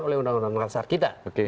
oleh undang undang makassar kita